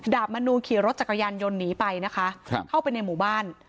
บนนูขี่รถจักรยานยนต์หนีไปนะคะเข้าไปในหมู่บ้าน